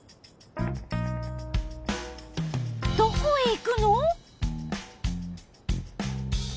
どこへ行くの？